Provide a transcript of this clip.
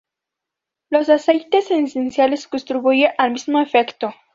Los aceites esenciales contribuyen al mismo efecto.